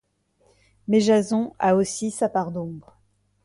Mais Jason a aussi sa part d'ombre...